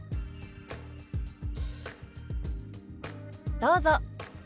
どうぞ。